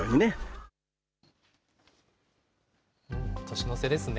年の瀬ですね。